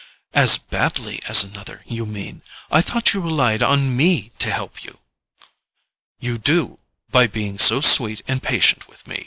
"As badly as another, you mean. I thought you relied on ME to help you." "You do—by being so sweet and patient with me.